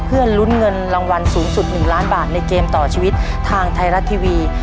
เพื่อลุ้นเงินรางวัลสูงสุด๑ล้านบาทในเกมต่อชีวิตทางไทยรัฐทีวี